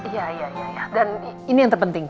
iya iya dan ini yang terpenting